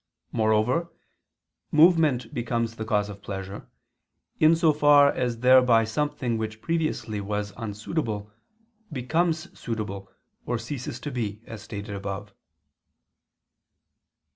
Moreover movement becomes the cause of pleasure, in so far as thereby something which previously was unsuitable, becomes suitable or ceases to be, as stated above.